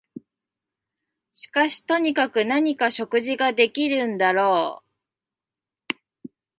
しかしとにかく何か食事ができるんだろう